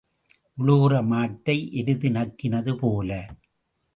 உழுகிற மாட்டை எருது நக்கினது போல.